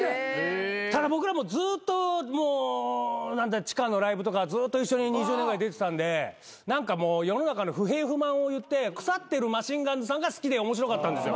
ただ僕らずっともう地下のライブとかずっと一緒に２０年ぐらい出てたんで何か世の中の不平不満を言って腐ってるマシンガンズさんが好きで面白かったんですよ。